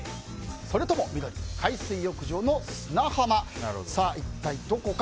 それとも緑、海水浴場の砂浜一体どこか。